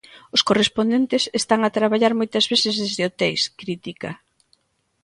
Os correspondentes están a traballar moitas veces desde hoteis, critica.